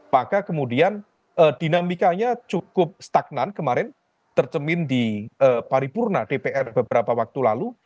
maka kemudian dinamikanya cukup stagnan kemarin tercemin di paripurna dpr beberapa waktu lalu